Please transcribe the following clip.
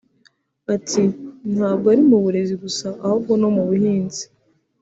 Ati “ Ntabwo ari mu burezi gusa ahubwo no mu buhinzi